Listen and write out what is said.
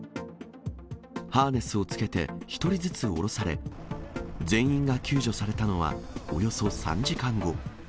ハーネスを着けて１人ずつ下ろされ、全員が救助されたのは、およそ３時間後。